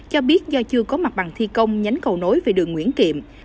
cho biết do chưa có mặt bằng thi công nhánh cầu nối về đường nguyễn kiệm